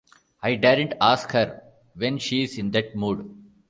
I daren't ask her when she's in that mood.